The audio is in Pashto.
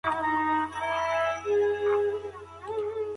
علي بن ابي طالب د مسلمانانو ترمنځ د ورورولۍ لپاره کار کاوه.